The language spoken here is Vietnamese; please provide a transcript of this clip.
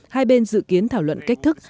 hai bên dự kiến thảo luận cách thức